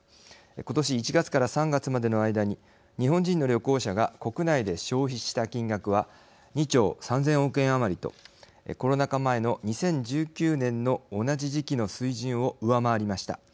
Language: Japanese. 今年１月から３月までの間に日本人の旅行者が国内で消費した金額は２兆３，０００億円余りとコロナ禍前の２０１９年の同じ時期の水準を上回りました。